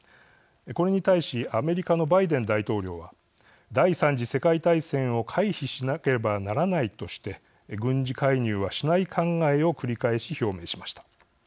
これに対しアメリカのバイデン大統領は「第三次世界大戦を回避しなければならない」として軍事介入はしない考えを繰り返し表明しました。